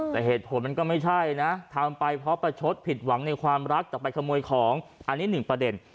แต่เหตุผลมันก็ไม่ใช่นะทำไปเพราะประชดผิดหวังในความรักแต่ไปขโมยของอันนี้หนึ่งประเด็น